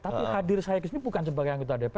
tapi hadir saya kesini bukan sebagai anggota dpr